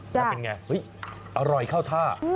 ถ้าเป็นไงอร่อยข้าวท่า